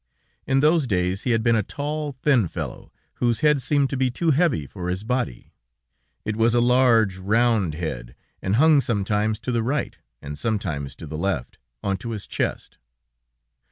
In those days he had been a tall, thin fellow, whose head seemed to be too heavy for his body; it was a large, round head, and hung sometimes to the right and sometimes to the left, onto his chest.